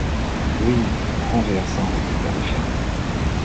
Oui!... renversant, répéta le fermier.